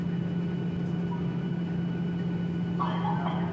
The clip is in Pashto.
په یوه شپه به پردي سي شتمنۍ او نعمتونه!